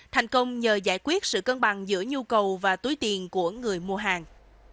thành công nhờ giải quyết sự cân bằng giữa nhu cầu và túi tiền của người mua hàng